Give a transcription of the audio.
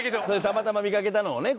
たまたま見かけたのをね